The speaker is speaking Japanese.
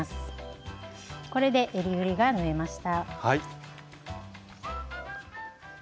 これでえりぐりが縫えました。